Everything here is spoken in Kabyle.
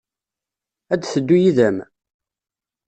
Ad d-teddu yid-m?